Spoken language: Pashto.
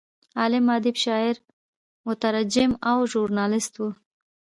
عالم، ادیب، شاعر، مترجم او ژورنالست و.